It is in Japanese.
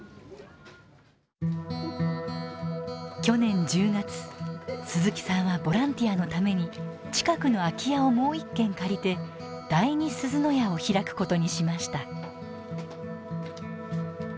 去年１０月鈴木さんはボランティアのために近くの空き家をもう一軒借りて第２すずの家を開くことにしました。